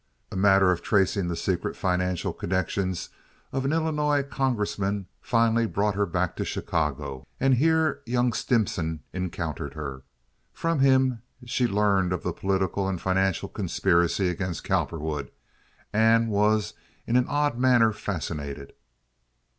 A matter of tracing the secret financial connections of an Illinois Congressman finally brought her back to Chicago, and here young Stimson encountered her. From him she learned of the political and financial conspiracy against Cowperwood, and was in an odd manner fascinated.